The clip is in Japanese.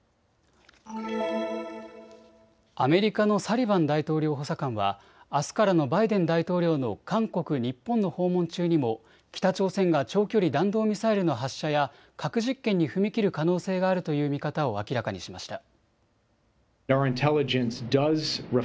アメリカのサリバン大統領補佐官はあすからのバイデン大統領の韓国、日本の訪問中にも北朝鮮が長距離弾道ミサイルの発射や核実験に踏み切る可能性があるという見方を明らかにしました。